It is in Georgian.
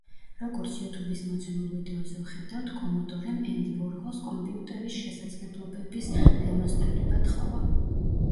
როგორც იუთუბის მოცემულ ვიდეოზე ვხედავთ, კომოდორემ ენდი ვორჰოლს კომპიუტერის შესაძლებლობების დემონსტრირება თხოვა.